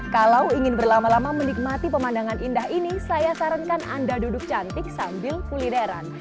kalau ingin berlama lama menikmati pemandangan indah ini saya sarankan anda duduk cantik sambil kulineran